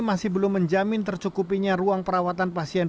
masih belum menjamin tercukupinya ruang perawatan pasien